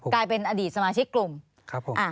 กลายเป็นอดีตสมาชิกกลุ่มครับผม